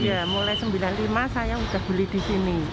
iya mulai seribu sembilan ratus sembilan puluh lima saya sudah beli di sini